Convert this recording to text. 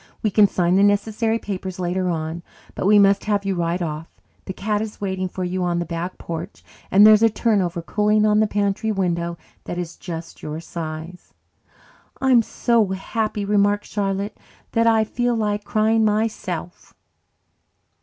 We can sign the necessary papers later on, but we must have you right off. The cat is waiting for you on the back porch, and there is a turnover cooling on the pantry window that is just your size." "I am so happy," remarked Charlotte, "that I feel like crying myself."